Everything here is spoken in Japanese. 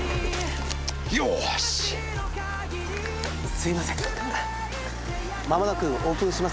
・すいません。